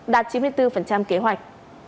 đạt chín mươi bốn kế hoạch